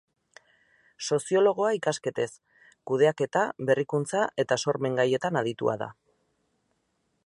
Soziologoa ikasketez, kudeaketa, berrikuntza eta sormen gaietan aditua da.